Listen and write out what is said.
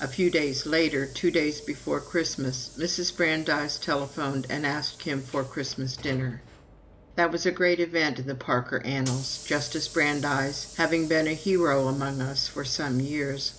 A few days later, two days before Christmas, Mrs. Brandeis telephoned and asked him for Christmas dinner! That was a great event in the Parker annals Justice Brandeis having been a hero among us for some years.